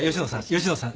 吉野さん。